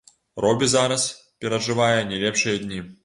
Робі зараз перажывае не лепшыя дні.